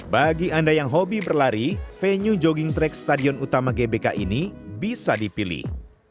bagi anda yang hobi berlari venue jogging track stadion utama gbk ini bisa dipilih